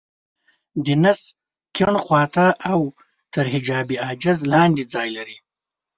د نس کيڼ خوا ته او تر حجاب حاجز لاندې ځای لري.